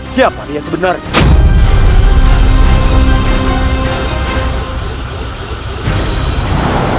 siapa dia sebenarnya